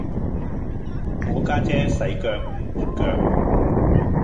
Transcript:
我家姐洗腳唔抹腳